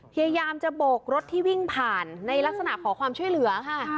พยายามจะโบกรถที่วิ่งผ่านในลักษณะขอความช่วยเหลือค่ะ